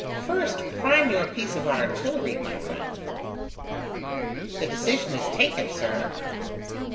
First prime your piece of artillery, my friend." "The decision is taken, sir."